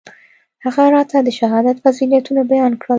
هغه راته د شهادت فضيلتونه بيان کړل.